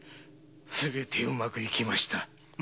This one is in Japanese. すべてうまくいきました。